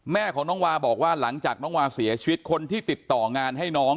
แม่ของน้องวาบอกว่าหลังจากน้องวาเสียชีวิตคนที่ติดต่องานให้น้อง